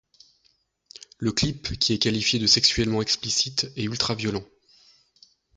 Le clip qui est qualifié de sexuellement explicite et ultraviolent.